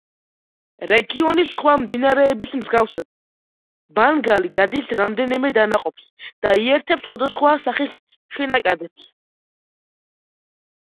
რეგიონის სხვა მდინარეების მსგავსად, ბანგალი გადის რამდენიმე დანაყოფს და იერთებს სხვადასხვა სახის შენაკადებს.